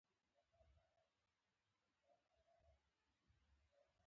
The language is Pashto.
استاد باید هڅونکی وي